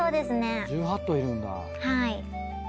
１８頭いるんだ。